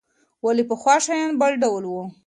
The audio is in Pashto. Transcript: ولې پخوا شیان بل ډول وو؟